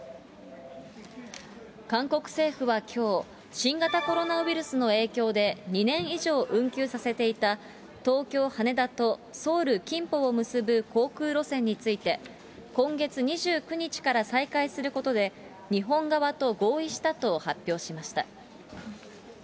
韓国政府はきょう、新型コロナウイルスの影響で、２年以上、運休させていた東京・羽田とソウル・キンポを結ぶ航空路線について、今月２９日から再開することで、日本側と合意したと発表しました。